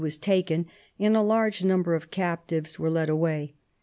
i:,,") was taken, and a large number of captives was led away."